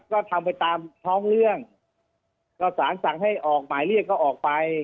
ก็ทำไปตามท้องเรื่องก็สารสั่งให้ออกหมายเรียกก็ออกไป